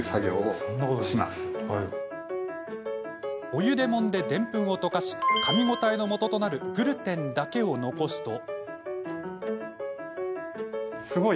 お湯でもんで、でんぷんを溶かしかみ応えのもととなるグルテンだけを残すと。